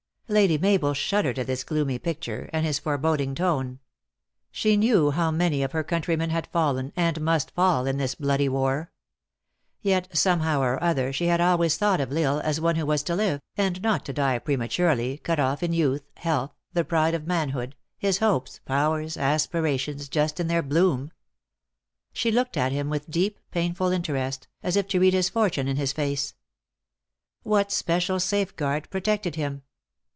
Lady Mabel shuddered at this gloomy picture, and his foreboding tone. She knew how many of her countrymen had fallen, and must fall, in this bloody war. Yet, some how or other, she had always thought of L Isle as one who was to live, and not to die pre maturely, cut off in youth, health, the pride of man hood, his hopes, powers, aspirations, just in their bloom. She looked at him with deep, painful inter est, as if to read his fortune in his face. What special safeguard protected him?